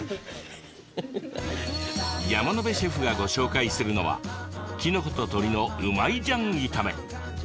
山野辺シェフがご紹介するのはきのこと鶏のうまい醤炒め。